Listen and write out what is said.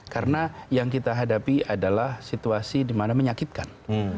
karena yang kita hadapi adalah situasi di mana menyakitkan